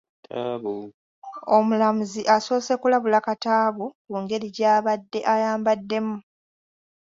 Omulamuzi asoose kulabula Kataabu ku ngeri gy’abadde ayambaddemu.